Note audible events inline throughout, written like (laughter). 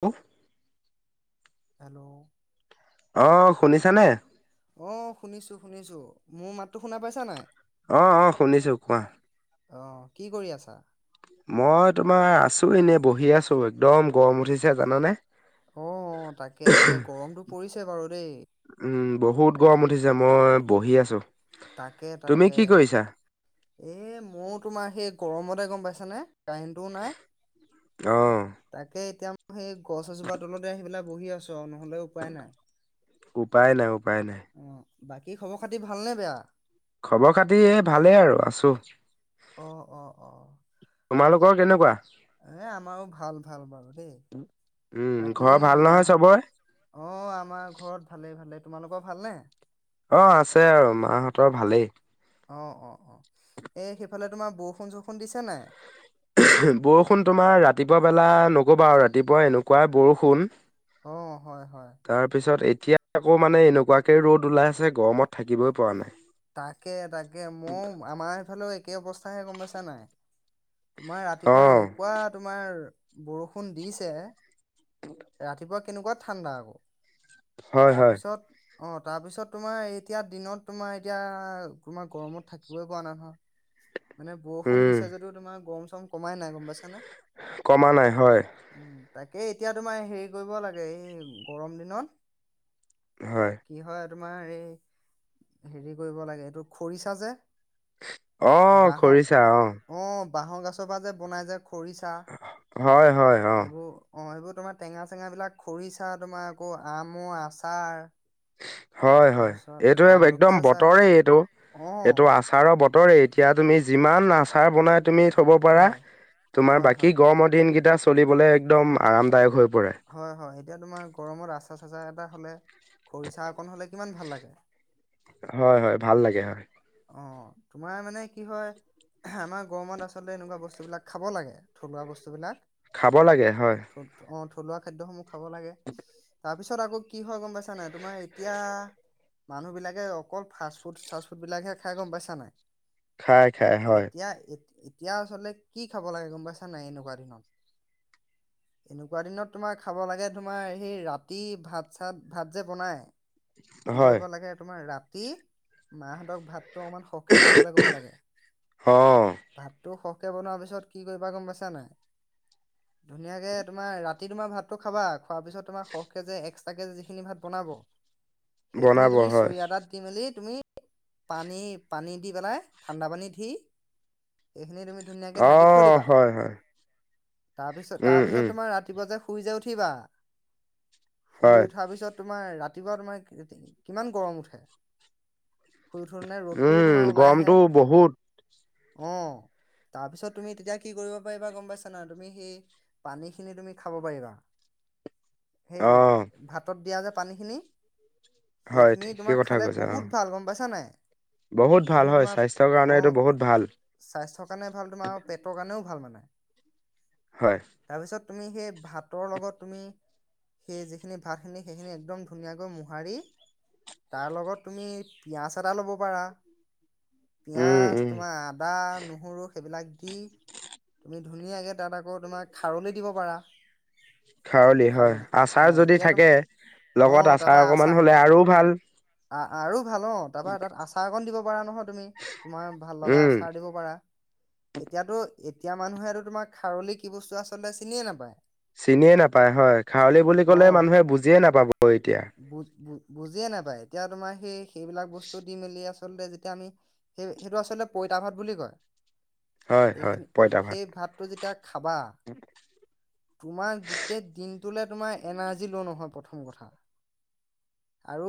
কোন? হেল্ল'। অ' শুনিছানে? অ' শুনিছো, শুনিছো, মোৰ মাততো শুনা পাইছা নাই? অ'অ শুনিছো কোৱা? অ' কি কৰি আছা? মই তোমাৰ আছো এনে বহি আছো, একদম গৰম উঠিছে জানানে? অ' তাকে, তাকে গৰমতটো পৰিছে বাৰু দেই। উম, বহুত তাক গৰম উঠিছে মই বহি আছোঁ। তাকে, তাকে এ ময়ো তোমাৰ সেই গৰমতে গম পাইছো আনে? কাৰেং তো নাই। অ' তাকে এতিয়া সেই গছ এজোপা তলতে আহি পেলাই বহি আছো। চ নহ'লেও উপায় নাই। উপায় নাই উপায় নাই। অ'। বাকী খবৰ খাতি ভালনে বেয়া? খবৰ-খাতি এ ভালেই আৰু আছো। অ', অ', অ', তোমালোকৰ কেনেকুৱা? এ আমাৰো ভাল ভাল বাৰু দেই। উম, বাকী ঘৰৰ ভাল নহয় চবৰে? মাহত অ' আমাৰ ঘৰত ভালে ভালে। তোমালোকৰ ভালনে? অ' আছে আৰু মাহঁতৰ ভালেই। অ, অ, অ এই সেইফালে তোমাৰ বৰষুণ-চৰষুণ দিছে নাই? বৰষুণ তোমাৰ ৰাতিপুৱা বেলা নকবা আৰু ৰাতিপুৱা এনেকুৱাই বৰষুণ। অ', হয়, হয়। তাৰপিছত এতিয়া আকৌ মানে এনেকুৱাকে ৰ'দ ওলাই আছে, গৰমত থাকিবই পৰা নাই। তাকে, তাকে মই আমাৰ সেইফালেও একে অৱস্থা। গম পাইছা নাই? তোমাৰ ৰাতিপুৱা অ' এনেকুৱা তোমাৰ বৰষুণ দিছে, ৰাতিপুৱা কেনেকুৱা ঠাণ্ডা আকৌ। হয় হয়। তাৰপিছত? অ'তাৰ পিছত তোমাৰ এতিয়া দিনত তোমাৰ এতিয়া তোমাৰ গৰমত থাকিবই পোৱা নাই নহয়। মানে বৰষুণ উম, দিছে যদিটো তোমাৰ গৰম চৰম কমাই নাই গম পাইছানে। কমা নাই হয় উম তাকে এতিয়া তোমাৰ হেৰি কৰিব লাগে এই গৰম দিনত হয় কি হয় তোমাৰ এই হেৰি কৰিব লাগে এইটো খৰিচা যে (inaudible) অ বাঁহৰ খৰিছা অ। বাঁহৰ গাছৰ পৰা যে বনাই যে। খৰিচা হয়, হয়, অ', এইবোৰ অ এইবোৰত। তোমাৰ টেঙা চেঙাবিলাক খৰিচা তোমাৰ আকৌ আমৰ আচাৰ হয় -হয় তাৰপিছত এইটো আমলখি একদম আচাৰ বতৰে এইটো এইটো অ', আচাৰৰ বতৰ। ৰে এতিয়া তুমি যিমান আচাৰ বনাই। তুমি থব পৰা হয়, তোমাৰ হয়, বাকী হয়, গৰমৰ দিন কেইটা চা চলিবলৈ একদম আৰামদায়ক হৈ পৰে। হয়-হয় এতিয়া তোমাৰ গৰমত আচ জাৰ এটা হলে খৰিচা অকণ হলে। কিমান ভাল লাগে। হয়, হয়, ভাল লাগে হয়। অ তোমাৰ মানে কি হয় আমাৰ গৰমত আচলতে এনেকুৱা বস্তু বিলাক খাব লাগে থলুৱা বস্তুবলাক খাব লাগে হয়। থলুৱা খাদ্যসমূহ। খাব লাগে তাৰপিছত আকৌ কি হয় গম পাইছানে তোমাৰ এতিয়া মানুহ বিলাকে অকল ফাষ্ট ফুড চাষ্ট ফুড বিলাক হে খাই গম পাইছা নাই। খাই খায় হয়। এতিয়া এতিয়া আচলতে কি খাব লাগে গম পাইছা নাই এনেকুৱা দিনত এনেকুৱা দিনত তোমাৰ খাব লাগে তোমাৰ সেই ৰাতি ভাত চাত ভাত যে বনাই। কি হয়। কৰিব লাগে তোমাৰ ৰা তি মাহঁতক ভাত। টো অকমান সৰহকে বনাবলে ক'ব লাগে অ', ভাতটো সহ ৰহকে বনোৱাৰ পিছত কি কৰিবা গম পাইছা নাই? ধুনীয়াকে তোমাৰ ৰাতি তোমাৰ ভাতটো খাবা, খোৱাৰ পিছত তোমাৰ সখ কেজ এক্সট্ৰাক কেজ যিখিনি ভাত বনাব সেইখিনি বনাব তুমি হয়। চৰিয়া এটাত দি মেলি তুমি পানী পানী দি পেলাই ঠাণ্ডা পানী দি এইখিনি তুমি ধুনীয়াকে ঢাকি থৈ অ', দিবা, হয়, হয়, তাৰপিছত উম, তাৰপিছত উম, তোমাৰ ৰাতিপুৱা যে শুই যে উঠিবা। শুই হয়। উঠাৰ পিছত তোমাৰ ৰাতি। উঠিবা তোমাৰ কিমান গৰম উঠে শুই উঠোতে ৰ'দটোও উম, তোমাৰ ওলাই আহে গৰমটো বহুত। অ তাৰপিছত তুমি তেতিয়া কি কৰিব পাৰিবা গম পাইছা না, তুমি সেই পানী খিনি তুমি খাব পাৰিবা। সেই অ', ভাতত দিয়া যে পানীখিনি হয় সেইখিনি ঠিকেই তোমাৰ কথা খালে কৈছা অ'। বহুত ভাল গম পাইছা নাই? বহুত ভাল এইখিনি হয় তোমাৰ, স্বাস্থ্যৰ কাৰণে অ এইটো বহুত ভাল স্বাস্থ্যৰ কাৰণে ভাল তোমাৰ পেটৰ কাৰণেও ভাল মানে হয়। তাৰপিছত তুমি সেই ভাতৰ লগত তুমি সেই যিখিনি ভাত খিনি সেইখিনি একদম ধুনীয়াকৈ মো হাৰি, তাৰ লগত তুমি পিয়াঁজ, আদা ল'ব পাৰা। উম পিয়াজ উম। তোমাৰ আদা, নহৰু সেইবিলাক দি তুমি ধুনীয়াকে তাত আকৌ তোমাক খাৰলি দিব পাৰা। খাৰলি হয় আচাৰ অ যদি এতিয়া তুম থাকে, অ লগত আচাৰ তাৰপা অকমান আ হলে আৰু ভাল আৰু ভাল অ তাৰপৰা তাত আচাৰ অকণ দিব পাৰা নহয় তুমি, তোমাৰ ভাল লগা উম। আচাৰ দিব পাৰা এতিয়াতো এতিয়া মানুহেটো তোমাৰ খাৰলি কি বস্তু, আচলতে চিনিয়ে নাপায়। চিনিয়ে নাপায় হয়, খাৰলি বুলি ক'লে অ মানুহে বুজিয়ে নাপাব এতিয়া। বুজ বুজিয়ে নাপায় এতিয়া তোমাৰ সেই সেইবিলাক বস্তু দি মেলি আছে আচলতে যেতিয়া আমি, সেই এইটো আচলতে পইতা ভাত বুলি কয়। হয় হয় সেইখিনি পইতা ভাত। সেই ভাতটো যেতিয়া খাবা তোমাৰ গোটেই দিন তোলে তোমাৰ এনাৰ্জি ল নহয় প্ৰথম কথা আৰু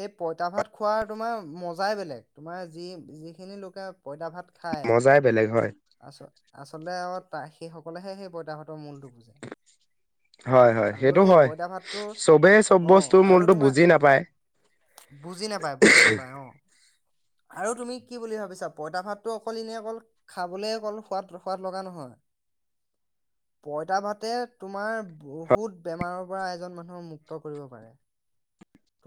সেই পইতা ভাত খোৱাৰ তোমাৰ মজাই বেলেগ তোমাৰ যি যিখিনি লোকে পইতা ভাত খায়, মজাই বেলেগ হয় আচ আচলতে আৰু ত সেই সকলেহে সেই পইতাহঁতৰ মূলটো বুজে। হয় হয় আৰু সেইটো সেই হয়, পইতা ভাতটোৰ চবেই চব অ বস্তু আৰু মূলতো তোমাৰ বুজি নাপায়। বুজি নাপায় বুজি নাপায় অ আৰু তুমি কি বুলি ভাবিছা পইতা ভাতটো অকল এনে অকল খাবলে অকল সোৱাদ সোৱাদ লগা নহয়, পইতা ভাতে তোমাৰ বহুত বেমাৰৰ পৰা এজন মানুহৰ মুক্ত কৰিব পাৰে।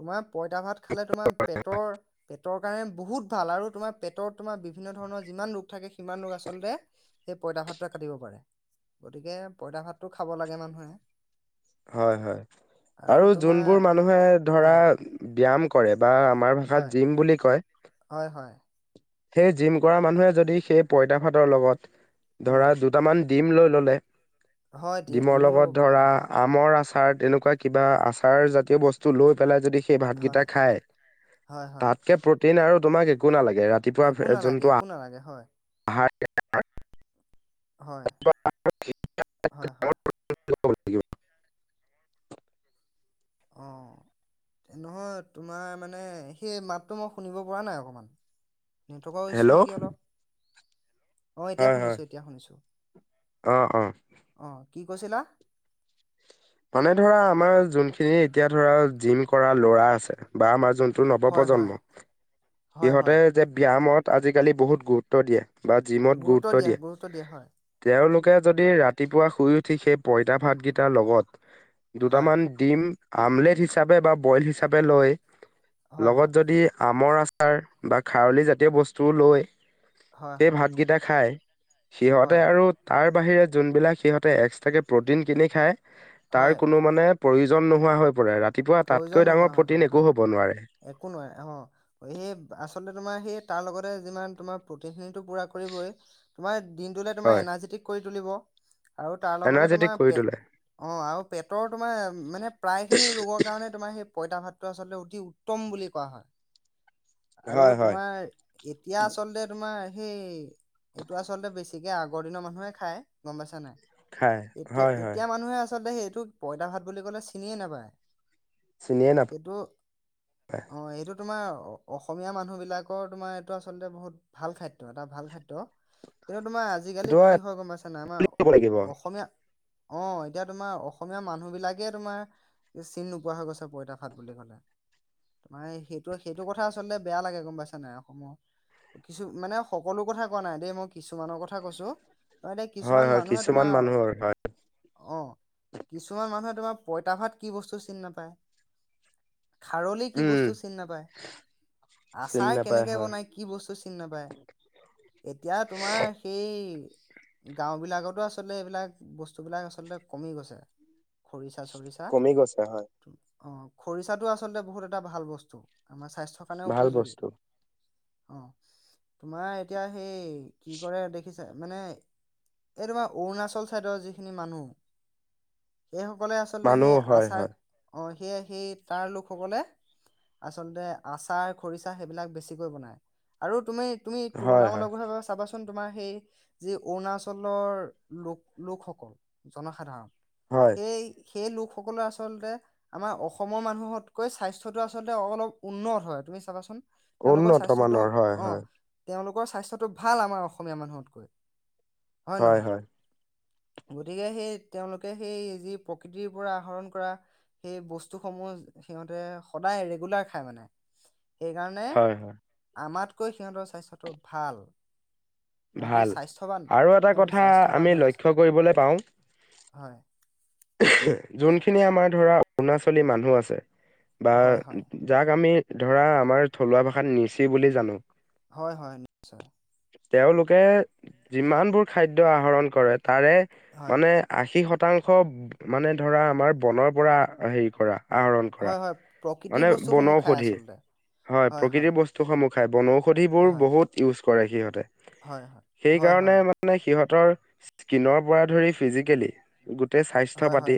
তোমাৰ পইতা ভাত খালে তোমাৰ পেটৰ, পেটৰ কাৰণে বহুত ভাল আৰু তোমাৰ পেটত তোমাৰ বিভিন্ন ধৰণৰ যিমান ৰোগ থাকে সিমান ৰোগ আচলতে, সেই পইতা ভাতটোৱে কাটিব পাৰে, গতিকে পইতা ভাতটো খাব লাগে মানুহে। হয় হয় আৰু যোনবোৰ মানুহে ধৰা। হয় ব্যায়াম কৰে। বা আমাৰ ভাষাত হয় জিম বুলি কয়। হয় হয় সেই জিম কৰা মানুহে যদি সেই পঁইতা ভাতৰ লগত অ ধৰা দুটামান ডিম লৈই ললে। হয় ডিমৰ ডিমো ল'ব লগত পাৰে ধৰা হয়। আমৰ আচাৰ তেনেকুৱা কিবা আচাৰ জাতীয় বস্তু লৈ পেলাই যদি সেই হয় ভাতকেইটা খাই, হয় হয় তাতকে প্ৰতি টিন আৰু তোমাক একো নালাগে। একো ৰাতিপুৱা নালাগে যন্তু অহ একো নালাগে হয় আহাৰ (unintelligible) হয়, হয়-হয়। থাকিব। অহ, নহয় তোমাৰ মানে সেই মাতটো মই শুনিব পৰা নাই অকণমান। নেটৱৰ্কৰ হেল্ল' ইছ্যু নেকি অলপ। অহ এতিয়া হয় হয়। শুনিছো, এতিয়া শুনিছো অ', অ', অহ। কি কৈছিলা? মানে ধৰা আমাৰ যোনখিনি এতিয়া ধৰা জিম কৰা ল'ৰা আছে বা আমাৰ যোন টো নৱ হয় হয় প্ৰ্জন্ম, হয় সিহঁতে হয় যে ব্যয়ামত আজিকালি বহুত গুৰুত্ব দিয়ে। বা জিমত গুৰুত্ব দিয়া দিয়ে দিয়া হয় তেওঁলোক কে যদি ৰাতিপুৱা শুই উঠি সেই পঁইতা ভাতকেইটাৰ লগত। হয় দুটামান দিম। আমলেট হিচাপে বা বইল হিচাপে লৈ হয় লগত হয় যদি আ আমৰ আচাৰ বা খাৰলি জাতীয় বস্তুও লৈ। হয় হয় এই ভাতকেইটা খাই। সিহঁতে হয় আৰু তাৰ বাহিৰে যোনবিলাক সিহঁতে এক্সট্ৰাকে প্ৰ'টিন কিনি খায়। তাৰ হয় কোনো মানে প্ৰয়োজন নোহোৱা হৈ পৰে ৰাতি প্ৰয়োজন নোহোৱা হৈ ঘৰে হয়। একো নোৱাৰে অহ। সেই আচলতে তোমাৰ সেই তাৰ লগতে যিমান তোমাৰ প্ৰতিখিনিটো পুৰা কৰিবই, তোমাৰ দিনতোলে তোমাৰ হয় এনাৰযেটিক কৰি তুলিব। আৰু তাৰ লগতে এনাৰ্জেটিক তোমাৰ কৰি পে, তোলে অ' আৰু পেটৰ তোমাৰ মানে প্ৰায় খিনি ৰোগত কাৰণে তোমাৰ সেই, পঁইতা ভাতটো আচলতে অতি উত্তম বুলি কোৱা হয়। আৰু হয় হয় তোমাৰ এতিয়া আচলতে তোমাৰ, সেই এইটো আচলতে বেছিকে আগৰ দিনৰ মানুহে খাই গম পাইছা নাই? খাই এতিয়া হয় হয় -এতিয়া মানুহে আচলতে সেই, এইটো পইতা ভাত বুলি ক'লে চিনিয়ে নাপায়। চিনিয়ে সেইটো নাপায় অ', এইটো, তোমাৰ অসমীয়া মানুহ বিলাকৰ তোমাৰ এইটো আচলতে বহুত ভাল খাদ্য এটা ভাল খাদ্য। কিন্তু, তোমাৰ আজিকালি সেইটো কি হয় গম পাইছানা আমাৰ ক'ব লাগিব অসমীয়া, অ 'এতিয়া তোমাৰ অসমীয়া মানুহ বিলাকে তোমাৰ চিনি নোপো পোৱা হৈ গৈছে পইতা ভাত বুলি ক'লে তোমাৰ সেইটো সেইটো কথা আচলতে বেয়া লাগে গম পাইছে নাই অসমৰ কিছু মানে সকলো কথা কোৱা নাই দেই মই কিছুমানৰ কথা কৈছো। অ ', এতিয়া কিছুমান হয় হয় মানুহে কিছুমান তোমাৰ, মানুহৰ হয় অহ কিছুমান মানুহে তোমাৰ পঁইতা ভাত কি বস্তু চিনি নাপায়। পাই। খাৰলি কি উম বস্তু চিনি নাপায়, চিনি আচাৰ নাপায় কেনেকে হয় বনায়, কি বস্তু চিনি নাপায়, এতিয়া তোমাৰ সেই গাওঁ বিলাকতো আচলতে এইবিলাক বস্তুবিলাক আচলতে কমি গৈছে, খৰিচা চ কমি গৈছে হয়। অ' খৰিচাটো আচলতে বহুত এটা ভাল বস্তু আমাৰ স্বাস্থ্যৰ কাৰণেও ভাল উপযোগী। বস্তু অ 'তোমাৰ এতিয়া সেই, কি কৰে দেখিছে মানে এই তোমাৰ অৰুণাচল চাইডৰ যিখিনি মানুহ এইসকলে আচলতে মানুহ সেই হয় আচাৰ হয় অ সেয়ে সেই তাৰ লোকসকলে আচলতে আচাৰ -খৰিচা সেইবিলাক বেছিকৈ বনাই আৰু তুমি তুমি হয় হয় তুলনামলকভাৱে চাবা চোন তোমাৰ সেই যি অৰুণাচলৰ লোক লোকসকল জনসাধাৰণ হয় সেই সেই লোকসকলে আচলতে আমাৰ অসমৰ মানুহতকৈ স্বাস্থ্যটো আচলতে অলপ উন্নত হয়। তুমি চাবাচোন। তেওঁলোকৰ উন্নত স্বাস্থ্যতো মানৰ হয় অ', হয় তেওঁলোক স্বাস্থ্যটো ভাল আমাৰ অসমীয়া মানুহতকৈ হয় হয় গতিকে সেই তেওঁলোকে সেই যি প্ৰকৃতিৰ পৰা আহৰণ কৰা সেই বস্তুসমূহ সিহঁতে সদায় ৰেগুলাৰ খায় মানে সেইকাৰণে হয় হয় আমাক কৈ সিহঁতৰ স্বাস্থ্যটো ভাল সিহঁতি ভাল স্বাস্থ্যৱান আৰু এটা সিহঁতি কথা স্বাস্থ্যৱান আমি হৈ আছে লক্ষ্য কৰিবলৈ পাওঁ হয়। যোনখিনি আমাৰ ধৰা অৰুণাচলী মানুহ আছে বা হয় হয় যাক আমি ধৰা আমাৰ থলুৱা ভাষাত নিচি বুলি জানো হয় হয় নিশ্চয়। তেওঁলোকে যিমানবোৰ খাদ্যয় আহৰণ কৰে তাৰে হয় মানে আশীত শতাংশ মানে ধৰা আমাৰ বনৰ পৰা হেৰি কৰা আহৰণ কৰা হয় হয় প্ৰকৃতিৰ মানে বস্তুসমূহ খাই বনৌষধি আচলতে হয় প্ৰকৃতিৰ বস্তুসমূহ খাই বনৌষধিবোৰ হয় বহুত ইউজ কৰে সিহঁতে। হয় হয় হয় সেইকাৰণে হয় মানে সিহঁত সিহঁতৰ স্কিনৰ পৰা ধৰি ফিজিকেলি গোটেই স্বাস্থ্যৰ হয় পাতি হয়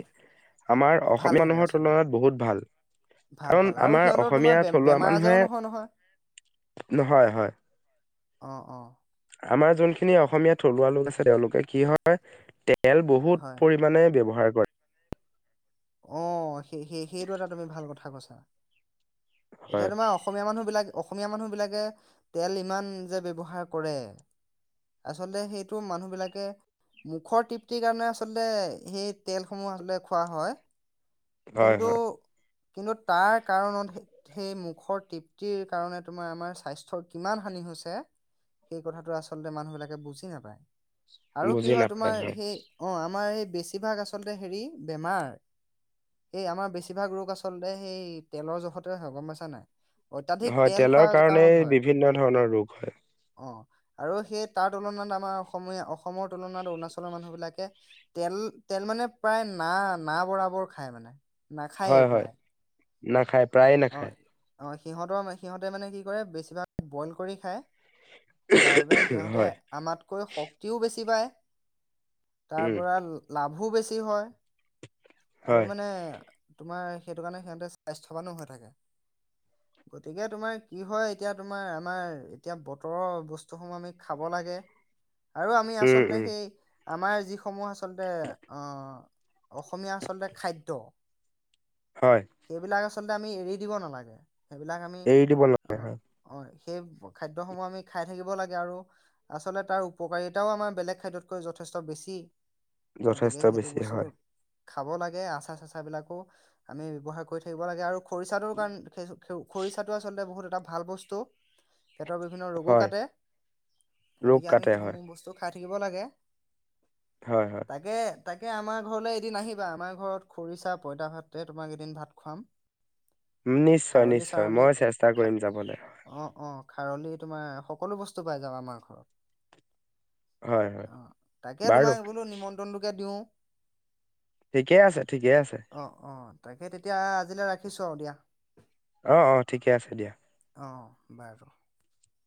আমাৰ ভাল অসমীয়া থাকে মানুহৰ আচলতে তুলনাত বহুত ভাল ভাল কাৰণ ভাল আৰু আমাৰ সিহঁতৰ তোমাৰ অসমীয়া বে থলুৱা বেমাৰ মানুহে আজাৰো নহয় নহয় নহয় হয়। অ অ আমাৰ যোনখিনি অসমীয়া থলুৱা লোক আছে তেওঁলোকে কি হয় তেল বহুত হয় পৰিমাণে ব্যৱহাৰ কৰে। হয়। আহ সেই সেই সেইটো এটা তুমি ভাল কথা কৈছা। এতিয়া হয় তোমাৰ অসমীয়া মানুহ বিলাক অসমীয়া মানুহ বিলাকে তেল ইমান যে ব্যৱহাৰ কৰে আচলতে সেইটো মানুহ বিলাকে মুখৰ তৃপ্তিৰ কাৰণে আচলতে সেই তেলসমূহ আচলতে খোৱা হয়। হয় কিন্তু হয় কিন্তু তাৰ কাৰণতহে সেই মুখৰ তৃপ্তিৰ কাৰণে তোমাৰ আমাৰ স্বাস্থ্যৰ কিমান হানি হৈছে সেই কথাটো আচল্ততে মানুহ বিলাকে বুজি নাপায়। আৰু কি বুজি হয় নাপায় তোমাৰ সেই অ আমাৰ স বেছিভাগ আচলতে হেৰি বেমাৰ এই আমাৰ বেছিভাগ ৰোগ আচলতে সেই তেলৰ জোখত গম পাইছা নাই। হয় তেলৰ খোৱাৰ কাৰণত কাৰণেই হয় বিভিন্ন ধৰণৰ ৰোগ হয়। অ আৰু সেই তাৰ তুলনাত আমাৰ অসমীয়া অসমৰ তুলনাত অৰুণাচলৰ মানুহ বিলাকে তেল তেল মানে প্ৰায় না না বৰাবৰ খায় মানে নাখায়েই প্ৰায়। নাখাই। প্ৰায়ে অ নাখায়। অ সিহঁতৰ সিহঁতে মানে কি কৰে বেছিভাগ ব্ৰইল কৰি খায়। যাৰ বাবে সিহঁতে হয় আমাতকৈ শক্তিও বেছি পায়- তাৰ উম পৰা লাভ ভো বেছি হয়। আৰু হয় মানে তোমাৰ সেইটো কাৰণে সিহঁতে স্বাস্থ্যৱানো হয় থাকে। তাকে গতিকে তোমাৰ কি হয় এতিয়া তোমাৰ আমাৰ এতিয়া বতৰৰ বস্তুসমূহ আমি খাব লাগে আৰু আমি উম আচলতে উম সেই আমাৰ যিসমূহ আচলতে আহ অসমীয়া আচলতে খাদ্য হয় সেইবিলাক আচ আচলতে আমি এৰি দিব নালাগে। সেইবিলাক আমি এৰি দিব অ অ সেই খাদ্যসমূহ আমি খাই থাকিব লাগে আৰু আচলতে তাৰ উপকাৰিতাও আমাৰ বেলেগ খাদ্যতকৈ যথেষ্ট বেছি। গতিকে যথেষ্ট সেইটো বেছি বস্তুটো হয়। খাব লাগে আচাৰ-চাচাৰ বিলাকো আমি ব্যৱহাৰ কৰি থাকিব লাগে আৰু খৰিচাটোৰ কাৰণে খ খৰিচাটো আচলতে বহুত এটা ভাল বস্তু। পেটৰ বিভিন্ন ৰোগো হয় কাটে, ৰোগ গতিকে আমি কাটে হয় সেইসমূহ বস্তু খাই থাক খাব লাগে। হয় হয় তাকে তাকে আমাৰ ঘৰলৈ এদিন আহিবা। আমাৰ ঘৰত খৰিচা পইতা ভাতে তোমাক এদিন ভাত খুৱাম। ত নিশ্চয় খাৰলি নিশ্চয় চাৰলি মই চেষ্টা খা কৰিম যাবলৈ হয়। অ অ খাৰলি তোমাৰ সকলো বস্তু পাই যাব আমাৰ ঘৰত। হয় হয় অ তাকে বাৰু তোমাক বোলো নিমন্ত্ৰণটোকে দিওঁ। ঠিকে আছে ঠিকে আছে। অ অ তাকে তেতিয়া আজিলে ৰাখি ৰাখিছোঁ আৰু দিয়া। অঁ অঁ ঠিকে আছে দিয়া। অঁ বাই ক্ষেত্ৰ লগত